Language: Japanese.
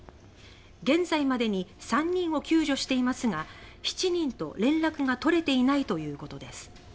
現在までに少なくとも３人を救助していますが複数人と連絡が取れていないということです。